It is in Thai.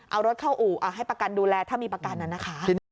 เอารถเข้าอู่ให้ประกันดูแลถ้ามีประกันน่ะนะคะ